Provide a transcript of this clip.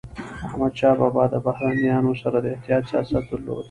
احمدشاه بابا د بهرنيانو سره د احتیاط سیاست درلود.